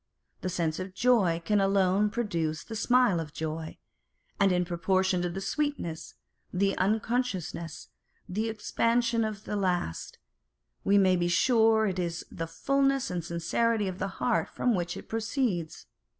The sense of joy can alone produce the smile of joy ; and in proportion to the sweetness, the unconsciousness, and the expansion of the last, we may be sure is the fulness and sincerity of the heart from which it proceeds.